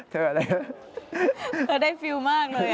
เธอได้ฟิล์มมากเลย